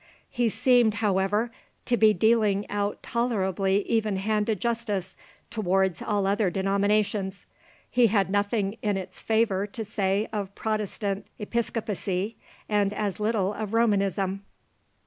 He seemed, however, to be dealing out tolerably even handed justice towards all other denominations. He had nothing in its favour to say of Protestant Episcopacy, and as little of Romanism.